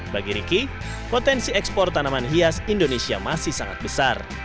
bagi riki potensi ekspor tanaman hias indonesia masih sangat besar